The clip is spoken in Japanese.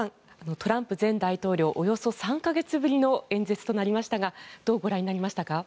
トランプ前大統領およそ３か月ぶりの演説となりましたがどうご覧になりましたか？